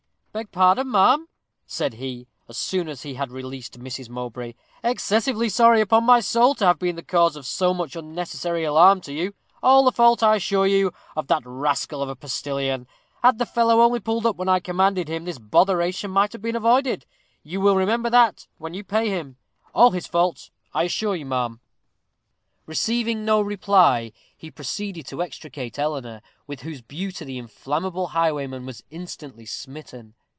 "Beg pardon, ma'am," said he, as soon as he had released Mrs. Mowbray; "excessively sorry, upon my soul, to have been the cause of so much unnecessary alarm to you all the fault, I assure you, of that rascal of a postilion; had the fellow only pulled up when I commanded him, this botheration might have been avoided. You will remember that, when you pay him all his fault, I assure you, ma'am." Receiving no reply, he proceeded to extricate Eleanor, with whose beauty the inflammable highwayman was instantly smitten.